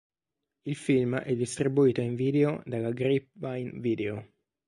Il film è distribuito in video dalla Grapevine Video.